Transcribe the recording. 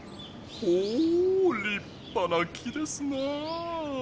ほりっぱな木ですなあ！